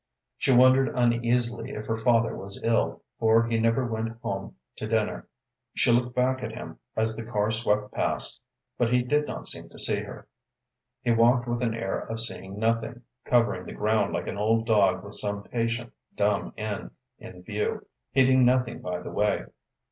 She wondered uneasily if her father was ill, for he never went home to dinner. She looked back at him as the car swept past, but he did not seem to see her. He walked with an air of seeing nothing, covering the ground like an old dog with some patient, dumb end in view, heeding nothing by the way.